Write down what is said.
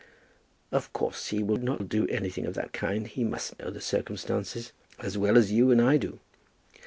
"Of course he will do anything of that kind. He must know the circumstances as well as you and I do."